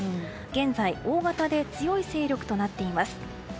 現在、大型で強い勢力となっています。